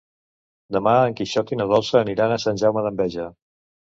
Demà en Quixot i na Dolça aniran a Sant Jaume d'Enveja.